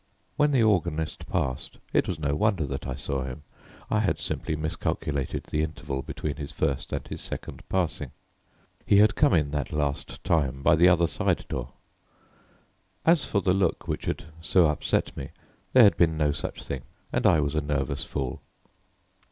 When the organist passed it was no wonder that I saw him: I had simply miscalculated the interval between his first and his second passing. He had come in that last time by the other side door. As for the look which had so upset me, there had been no such thing, and I was a nervous fool.